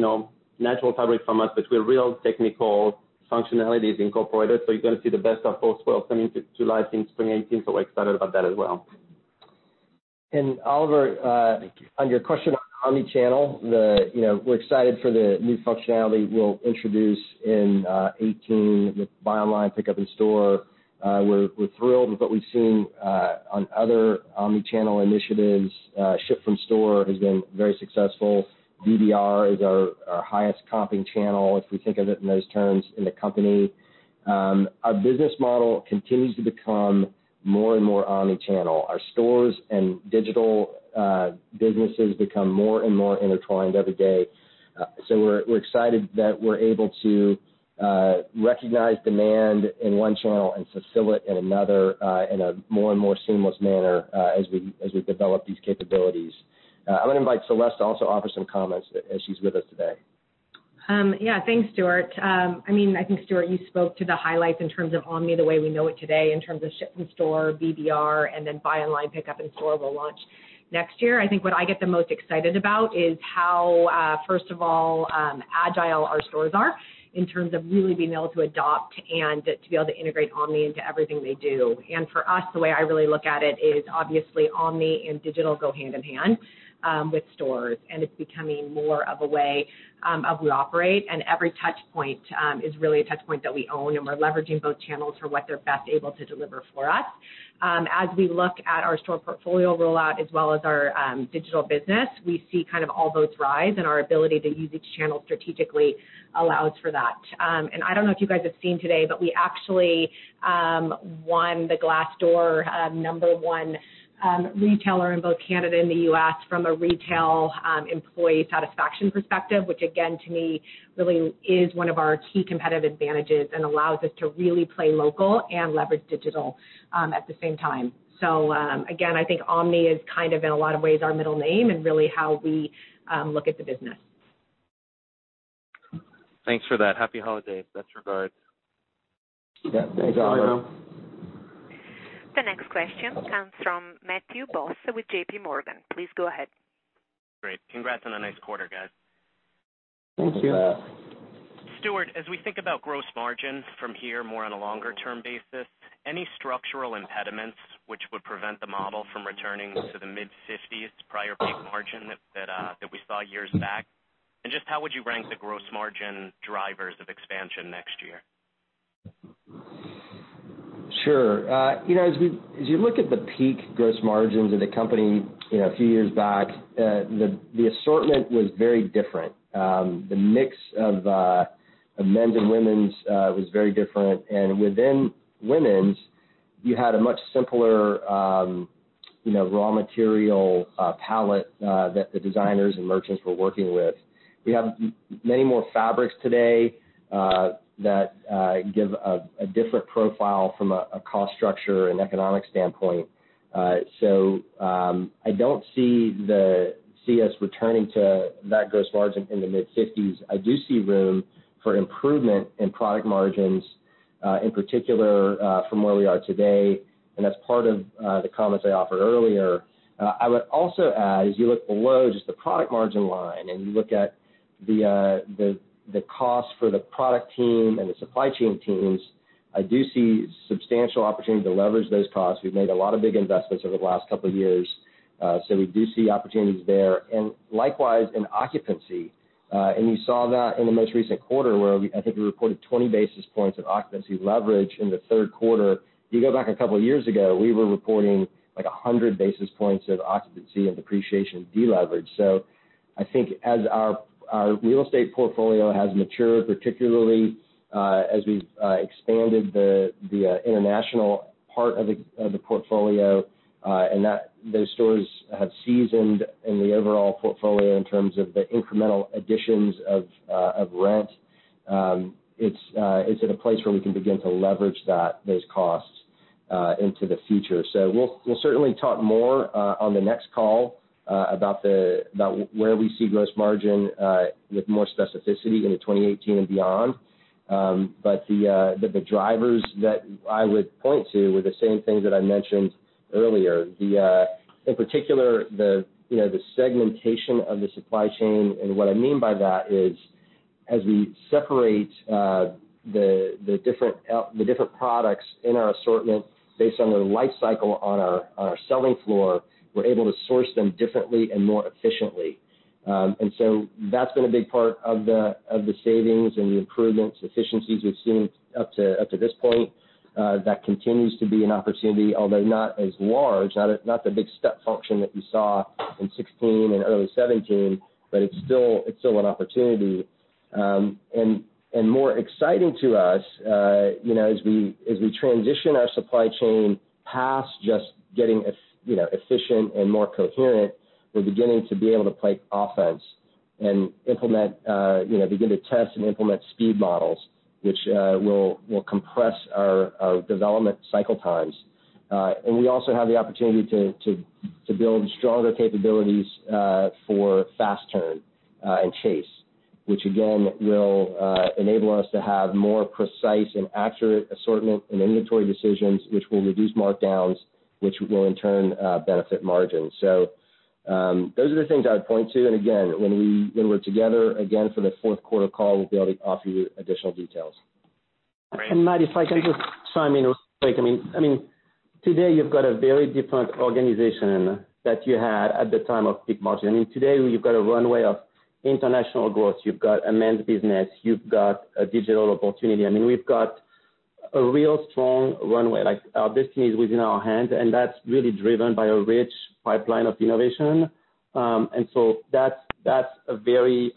natural fabric from us, but with real technical functionalities incorporated. You're going to see the best of both worlds coming to life in spring 2018. We're excited about that as well. Oliver. Thank you on your question on omnichannel, we're excited for the new functionality we'll introduce in 2018 with buy online, pickup in store. We're thrilled with what we've seen on other omnichannel initiatives. Ship from Store has been very successful. BBR is our highest comping channel, if we think of it in those terms in the company. Our business model continues to become more and more omnichannel. Our stores and digital businesses become more and more intertwined every day. We're excited that we're able to recognize demand in one channel and fulfill it in another in a more and more seamless manner, as we develop these capabilities. I'm going to invite Celeste to also offer some comments as she's with us today. Yeah. Thanks, Stuart. I think, Stuart, you spoke to the highlights in terms of omnichannel the way we know it today in terms of Ship from Store, BBR, and then buy online, pickup in store will launch next year. I think what I get the most excited about is how, first of all, agile our stores are in terms of really being able to adopt and to be able to integrate omnichannel into everything they do. For us, the way I really look at it is obviously omnichannel and digital go hand in hand with stores, and it's becoming more of a way of we operate and every touch point is really a touch point that we own, and we're leveraging both channels for what they're best able to deliver for us. As we look at our store portfolio rollout as well as our digital business, we see all those rise and our ability to use each channel strategically allows for that. I don't know if you guys have seen today, but we actually won the Glassdoor number 1 retailer in both Canada and the U.S. from a retail, employee satisfaction perspective, which again, to me, really is one of our key competitive advantages and allows us to really play local and leverage digital at the same time. Again, I think omnichannel is in a lot of ways our middle name and really how we look at the business. Thanks for that. Happy holidays. Best regards. Yes, thanks. The next question comes from Matthew Boss with J.P. Morgan. Please go ahead. Great. Congrats on a nice quarter, guys. Thank you. Thanks, Matt. Stuart, as we think about gross margin from here more on a longer term basis, any structural impediments which would prevent the model from returning to the mid-50s prior peak margin that we saw years back? Just how would you rank the gross margin drivers of expansion next year? Sure. As you look at the peak gross margins of the company a few years back, the assortment was very different. The mix of men's and women's was very different. Within women's, you had a much simpler raw material palette that the designers and merchants were working with. We have many more fabrics today that give a different profile from a cost structure and economic standpoint. I don't see us returning to that gross margin in the mid-50s. I do see room for improvement in product margins, in particular, from where we are today, and that's part of the comments I offered earlier. I would also add, as you look below just the product margin line and you look at the cost for the product team and the supply chain teams, I do see substantial opportunity to leverage those costs. We've made a lot of big investments over the last couple of years. We do see opportunities there. Likewise, in occupancy. You saw that in the most recent quarter where I think we reported 20 basis points of occupancy leverage in the third quarter. You go back a couple of years ago, we were reporting 100 basis points of occupancy and depreciation deleverage. I think as our real estate portfolio has matured, particularly as we've expanded the international part of the portfolio, and those stores have seasoned in the overall portfolio in terms of the incremental additions of rent. It's at a place where we can begin to leverage those costs into the future. We'll certainly talk more on the next call about where we see gross margin with more specificity into 2018 and beyond. The drivers that I would point to were the same things that I mentioned earlier. In particular, the segmentation of the supply chain. What I mean by that is, as we separate the different products in our assortment based on the life cycle on our selling floor, we're able to source them differently and more efficiently. That's been a big part of the savings and the improvements, efficiencies we've seen up to this point. That continues to be an opportunity, although not as large, not the big step function that you saw in 2016 and early 2017, but it's still an opportunity. More exciting to us, as we transition our supply chain past just getting efficient and more coherent, we're beginning to be able to play offense and begin to test and implement speed models, which will compress our development cycle times. We also have the opportunity to build stronger capabilities for fast turn and chase, which again, will enable us to have more precise and accurate assortment and inventory decisions, which will reduce markdowns, which will in turn benefit margin. Those are the things I would point to. Again, when we're together again for the fourth quarter call, we'll be able to offer you additional details. Great. Thank you. Matt, if I could just chime in real quick. Today, you've got a very different organization that you had at the time of peak margin. Today, you've got a runway of international growth. You've got a men's business, you've got a digital opportunity. We've got a real strong runway. Our destiny is within our hands, and that's really driven by a rich pipeline of innovation. That's a very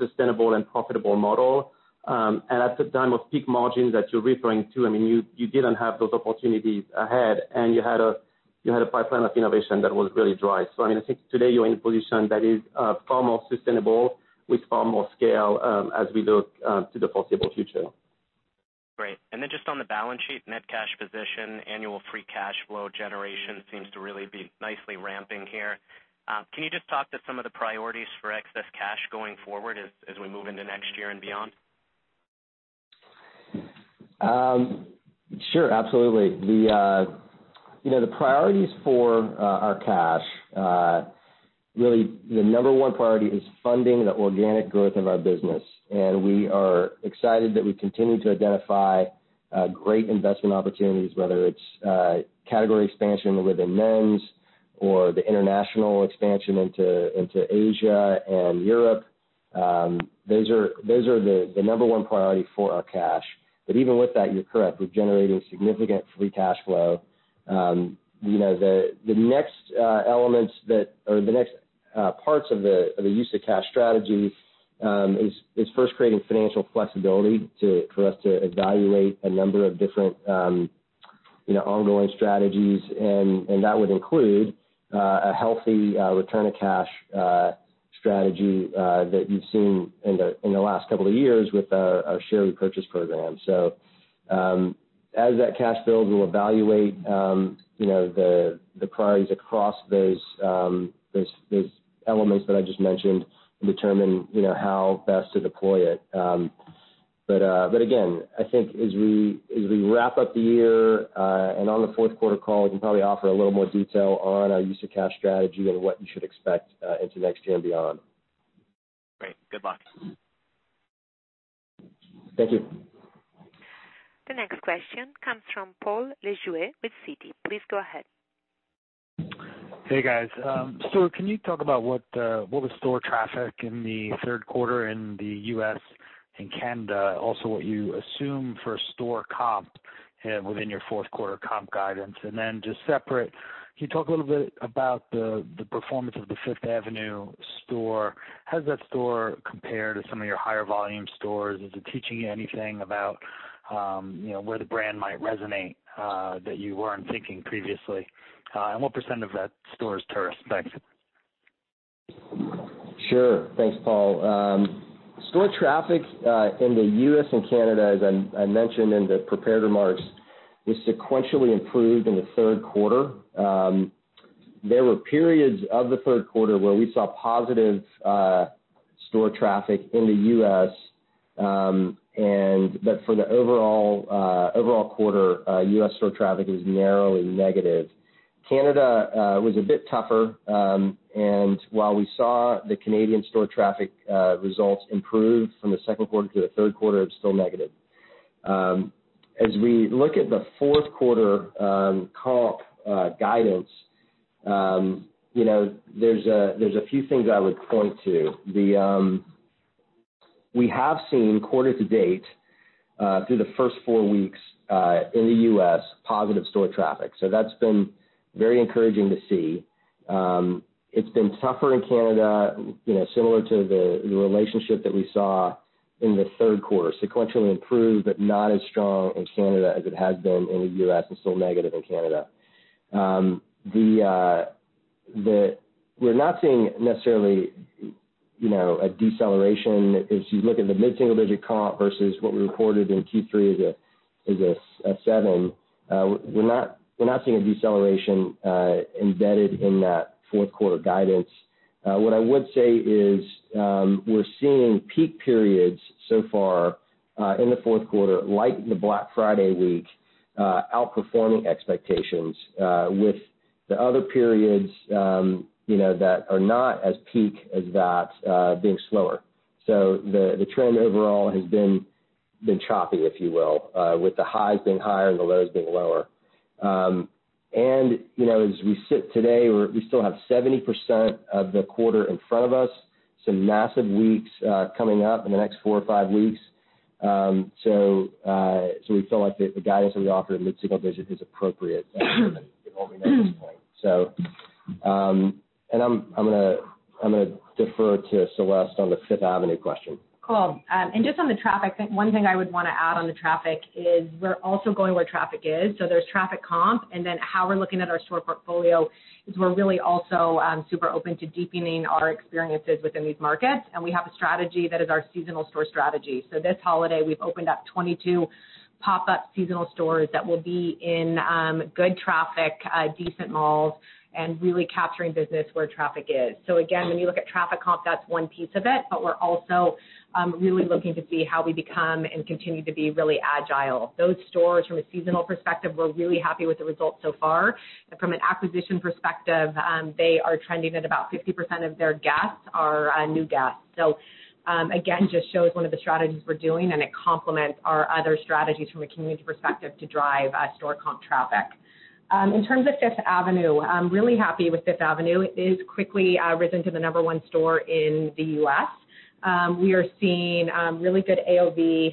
sustainable and profitable model. At the time of peak margins that you're referring to, you didn't have those opportunities ahead, and you had a pipeline of innovation that was really dry. I think today you're in a position that is far more sustainable with far more scale as we look to the possible future. Great. Just on the balance sheet, net cash position, annual free cash flow generation seems to really be nicely ramping here. Can you just talk to some of the priorities for excess cash going forward as we move into next year and beyond? Sure, absolutely. The priorities for our cash, really the number one priority is funding the organic growth of our business. We are excited that we continue to identify great investment opportunities, whether it's category expansion within men's or the international expansion into Asia and Europe. Those are the number one priority for our cash. Even with that, you're correct. We've generated significant free cash flow. The next elements or the next parts of the use of cash strategy, is first creating financial flexibility for us to evaluate a number of different ongoing strategies. That would include a healthy return of cash strategy that you've seen in the last couple of years with our share repurchase program. As that cash builds, we'll evaluate the priorities across those elements that I just mentioned and determine how best to deploy it. Again, I think as we wrap up the year, and on the fourth quarter call, we can probably offer a little more detail on our use of cash strategy and what you should expect into next year and beyond. Great. Good luck. Thank you. The next question comes from Paul Lejuez with Citi. Please go ahead. Hey, guys. Stuart, can you talk about what was store traffic in the third quarter in the U.S. and Canada? Also, what you assume for store comp within your fourth quarter comp guidance? Just separate, can you talk a little bit about the performance of the Fifth Avenue store? How does that store compare to some of your higher volume stores? Is it teaching you anything about where the brand might resonate that you weren't thinking previously? What % of that store is tourist-based? Sure. Thanks, Paul. Store traffic in the U.S. and Canada, as I mentioned in the prepared remarks, has sequentially improved in the third quarter. There were periods of the third quarter where we saw positive store traffic in the U.S., but for the overall quarter, U.S. store traffic is narrowly negative. Canada was a bit tougher, and while we saw the Canadian store traffic results improve from the second quarter to the third quarter, it's still negative. As we look at the fourth quarter comp guidance, there's a few things I would point to. We have seen quarter to date through the first four weeks in the U.S., positive store traffic. That's been very encouraging to see. It's been tougher in Canada, similar to the relationship that we saw in the third quarter, sequentially improved, but not as strong in Canada as it has been in the U.S., and still negative in Canada. We're not seeing necessarily a deceleration as you look at the mid-single digit comp versus what we reported in Q3 is a seven. We're not seeing a deceleration embedded in that fourth quarter guidance. What I would say is, we're seeing peak periods so far in the fourth quarter, like the Black Friday week, outperforming expectations, with the other periods that are not as peak as that being slower. The trend overall has been choppy, if you will, with the highs being higher and the lows being lower. As we sit today, we still have 70% of the quarter in front of us, some massive weeks coming up in the next four or five weeks. We feel like the guidance that we offered at mid-single digit is appropriate given the volume at this point. I'm going to defer to Celeste on the Fifth Avenue question. Cool. Just on the traffic, one thing I would want to add on the traffic is we're also going where traffic is. There's traffic comp, how we're looking at our store portfolio is we're really also super open to deepening our experiences within these markets. We have a strategy that is our seasonal store strategy. This holiday, we've opened up 22 pop-up seasonal stores that will be in good traffic, decent malls, and really capturing business where traffic is. Again, when you look at traffic comp, that's one piece of it. We're also really looking to see how we become and continue to be really agile. Those stores from a seasonal perspective, we're really happy with the results so far. From an acquisition perspective, they are trending at about 50% of their guests are new guests. Again, just shows one of the strategies we're doing. It complements our other strategies from a community perspective to drive store comp traffic. In terms of Fifth Avenue, I'm really happy with Fifth Avenue. It is quickly risen to the number 1 store in the U.S. We are seeing really good AOV,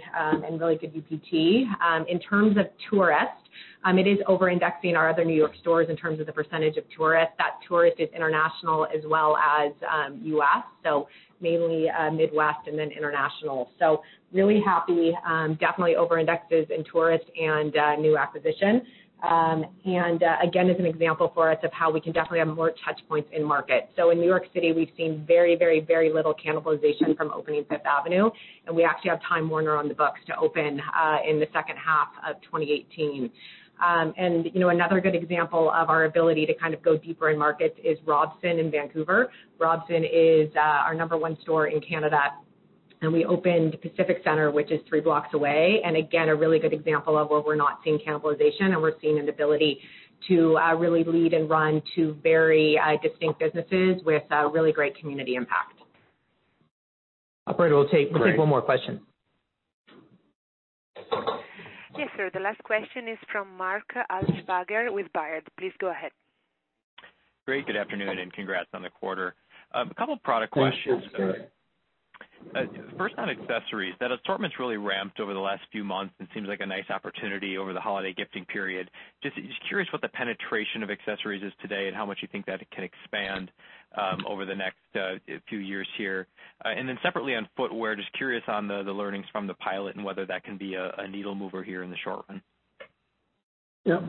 really good IPT. In terms of tourists- It is over-indexing our other New York stores in terms of the percentage of tourists. That tourist is international as well as U.S., mainly Midwest, international. Really happy. Definitely over-indexes in tourists and new acquisition. Again, as an example for us of how we can definitely have more touchpoints in market. In New York City, we've seen very little cannibalization from opening Fifth Avenue. We actually have Time Warner on the books to open in the second half of 2018. Another good example of our ability to kind of go deeper in markets is Robson in Vancouver. Robson is our number 1 store in Canada. We opened Pacific Centre, which is three blocks away. Again, a really good example of where we're not seeing cannibalization. We're seeing an ability to really lead and run two very distinct businesses with a really great community impact. Operator, we'll take one more question. Yes, sir. The last question is from Mark Altschwager with Baird. Please go ahead. Great. Good afternoon. Congrats on the quarter. A couple product questions. Thanks. Sure. First on accessories. That assortment's really ramped over the last few months and seems like a nice opportunity over the holiday gifting period. Just curious what the penetration of accessories is today and how much you think that it can expand over the next few years here. Then separately on footwear, just curious on the learnings from the pilot and whether that can be a needle mover here in the short run. Yep.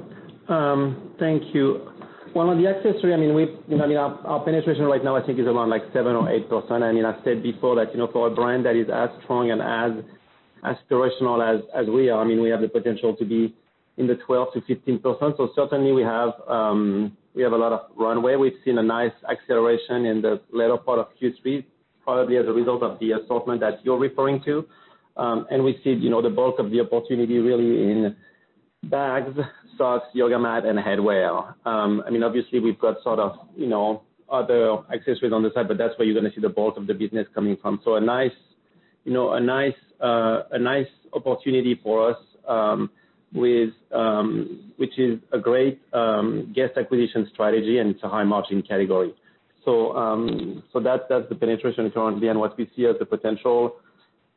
Thank you. Well, on the accessory, our penetration right now I think is around 7% or 8%. I've said before that, for a brand that is as strong and as directional as we are, we have the potential to be in the 12%-15%. Certainly we have a lot of runway. We've seen a nice acceleration in the latter part of Q3, probably as a result of the assortment that you're referring to. We see the bulk of the opportunity really in bags, socks, yoga mat, and headwear. Obviously we've got other accessories on the side, but that's where you're going to see the bulk of the business coming from. A nice opportunity for us, which is a great guest acquisition strategy, and it's a high margin category. That's the penetration currently and what we see as the potential.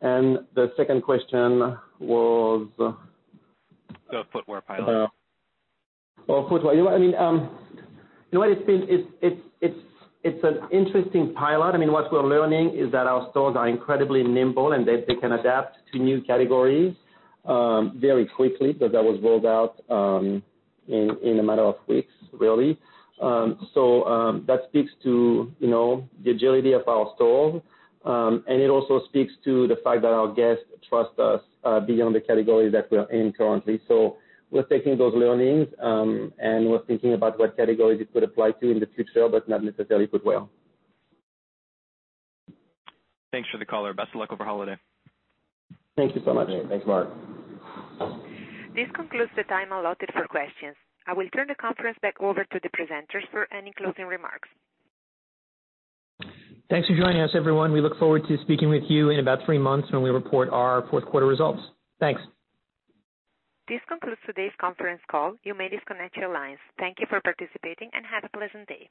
The second question was The footwear pilot. Oh, footwear. It's an interesting pilot. What we're learning is that our stores are incredibly nimble and they can adapt to new categories very quickly. That was rolled out in a matter of weeks, really. That speaks to the agility of our store. It also speaks to the fact that our guests trust us, beyond the category that we are in currently. We're taking those learnings, and we're thinking about what categories it could apply to in the future, but not necessarily footwear. Thanks for the color. Best of luck over holiday. Thank you so much. Great. Thanks, Mark. This concludes the time allotted for questions. I will turn the conference back over to the presenters for any closing remarks. Thanks for joining us, everyone. We look forward to speaking with you in about three months when we report our fourth quarter results. Thanks. This concludes today's conference call. You may disconnect your lines. Thank you for participating and have a pleasant day.